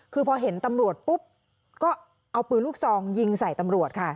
คือพอเห็นตำรวจปุ๊บก็เอาปืนลูกซองยิงใส่ตำรวจค่ะ